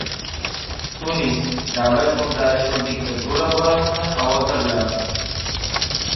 Tunis: davlat to‘ntarishi va diktatura borasida xavotirlar